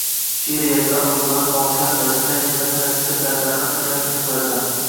She’riyat, aruz, barmoq, sarbast, tarjima san’ati sirlaridan, kafedramiz yutuqlaridan